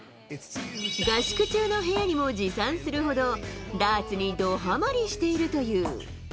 合宿中の部屋にも持参するほど、ダーツにどはまりしているという。